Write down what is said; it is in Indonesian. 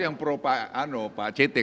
yang pro pak cethe